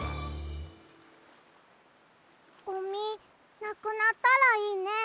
ゴミなくなったらいいね。